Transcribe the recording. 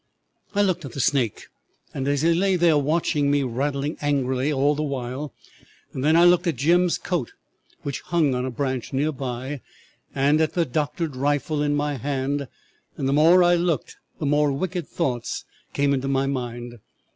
I looked at the snake as he lay there watching me, rattling angrily all the while, and then I looked at Jim's coat which hung on a branch near by, and at the doctored rifle in my hand, and the more I looked the more wicked thoughts came into my mind.